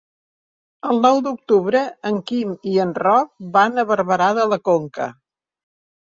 El nou d'octubre en Quim i en Roc van a Barberà de la Conca.